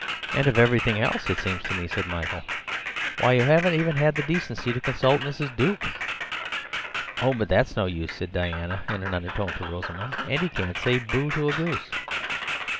"And of everything else, it seems to me," said Michael. "Why, you haven't even had the decency to consult Mrs. Duke." "Oh, that's no use," said Diana in an undertone to Rosamund; "Auntie can't say 'Bo!' to a goose."